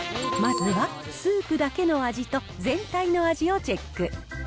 まずはスープだけの味と全体の味をチェック。